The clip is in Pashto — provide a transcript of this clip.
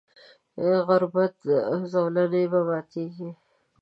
د غربت زولنې به ماتیږي.